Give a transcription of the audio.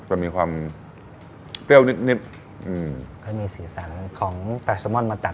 จะมีความเปรี้ยวนิดนิดอืมให้มีสีสันของปลาซามอนมาตัด